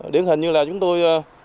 điển hình như là chúng tôi